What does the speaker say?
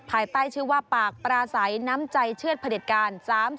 ภายใต้ชื่อว่าปราศัยน้ำใจเชื่อดผลิตการ